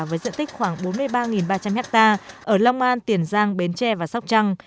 với diện tích khoảng bốn mươi ba ba trăm linh ha ở long an tiền giang bến tre và sóc trăng